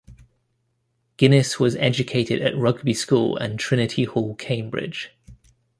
Guinness was educated at Rugby School and Trinity Hall, Cambridge.